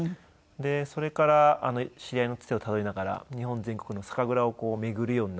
でそれから知り合いのつてをたどりながら日本全国の酒蔵を巡るようになって。